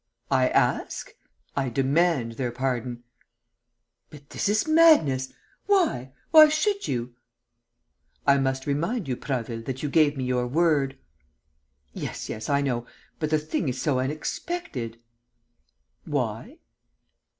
"I ask? I demand their pardon." "But this is madness! Why? Why should you?" "I must remind you, Prasville, that you gave me your word...." "Yes ... yes.... I know.... But the thing is so unexpected...." "Why?"